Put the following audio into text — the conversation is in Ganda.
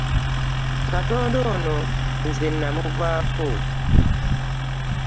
Katonda ono nze namuvaako.